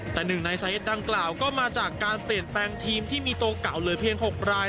แต่หนึ่งในสาเหตุดังกล่าวก็มาจากการเปลี่ยนแปลงทีมที่มีตัวเก่าเลยเพียง๖ราย